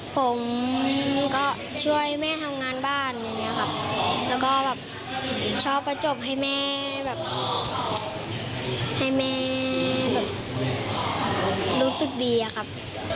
ผมก็ช่วยให้แม่ทำงานบ้านครับแล้วก็ชอบประจบให้แม่รู้สึกดีครับ